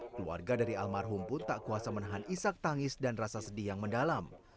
keluarga dari almarhum pun tak kuasa menahan isak tangis dan rasa sedih yang mendalam